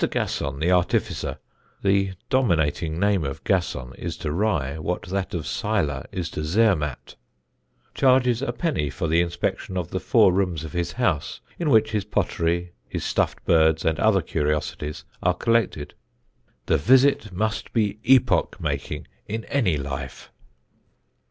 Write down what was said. Gasson, the artificer (the dominating name of Gasson is to Rye what that of Seiler is to Zermatt), charges a penny for the inspection of the four rooms of his house in which his pottery, his stuffed birds and other curiosities are collected. The visit must be epoch making in any life.